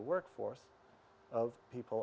dari pekerjaan mereka